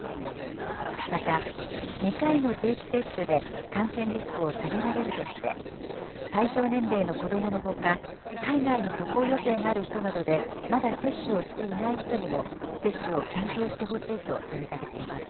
また、２回の定期接種で感染リスクを下げられるとして、対象年齢の子どものほか、海外に渡航予定がある人などで、まだ接種をしていない人にも接種を検討してほしいと呼びかけています。